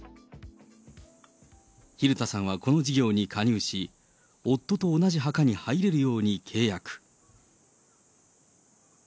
蛭田さんはこの事業に加入し、夫と同じ墓に入れるように契約。